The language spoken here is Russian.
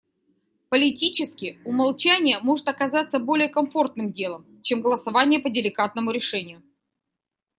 Политически умолчание может оказаться более комфортным делом, чем голосование по деликатному решению.